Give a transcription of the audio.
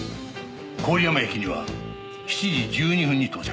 郡山駅には７時１２分に到着。